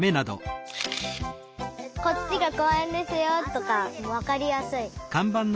「こっちがこうえんですよ」とかわかりやすい。